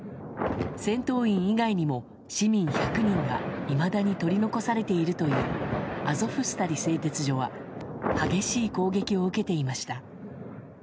戦闘員以外にも市民１００人がいまだに取り残されているというアゾフスタリ製鉄所は激しい攻撃を受けていました。